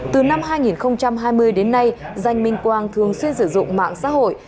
từ năm hai nghìn hai mươi đến nay danh minh quang thường xuyên sử dụng mạng xã hội